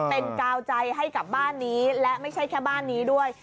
เป็นกาวใจให้กับบ้านนี้และไม่ใช่แค่บ้านนี้ด้วย